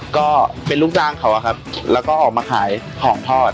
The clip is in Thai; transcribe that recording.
ก็เป็นลูกจ้างเขาอะครับแล้วก็ออกมาขายของทอด